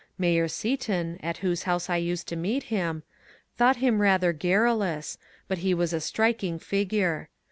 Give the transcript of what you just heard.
Mayor Seaton, at whose house I used to meet him, thought him ratiier garrulous, but he was a striking figure.